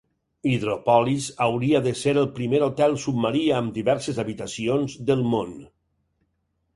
Hydropolis hauria de ser el primer hotel submarí amb diverses habitacions del món.